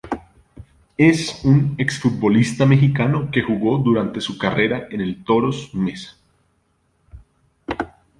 Es un exfutbolista mexicano que jugó durante su carrera en el Toros Neza.